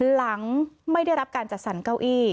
หลังไม่ได้รับการจัดสรรเก้าอี้